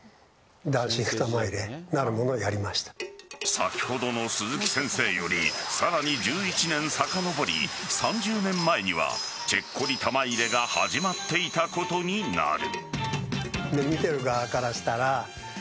先ほどの鈴木先生よりさらに１１年さかのぼり３０年前にはチェッコリ玉入れが始まっていたことになる。